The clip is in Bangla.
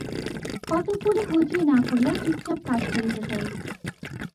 কতকগুলি হইচই না করিয়া চুপচাপ কাজ করিতে চাই।